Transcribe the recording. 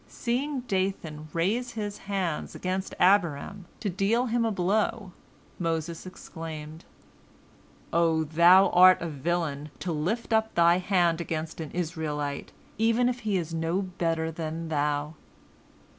Seeing Dathan raise his hand against Abiram, to deal him a blow, Moses exclaimed, "O thou art a villain, to lift up thy hand against an Israelite, even if he is no better than thou."